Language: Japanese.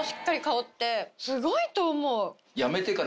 すごいと思う！